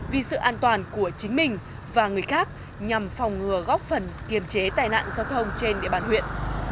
vì sự an toàn của chính mình và người khác nhằm phòng ngừa góp phần kiềm chế tai nạn giao thông trên địa bàn huyện